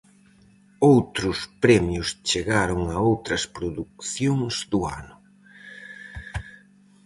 Outros premios chegaron a outras producións do ano.